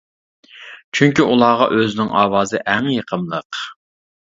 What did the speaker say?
چۈنكى ئۇلارغا ئۆزىنىڭ ئاۋازى ئەڭ يېقىملىق.